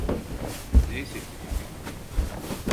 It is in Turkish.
Neyse ki.